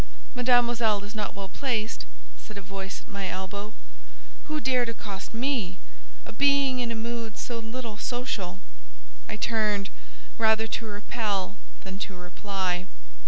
"Mademoiselle is not well placed," said a voice at my elbow. Who dared accost me, a being in a mood so little social? I turned, rather to repel than to reply.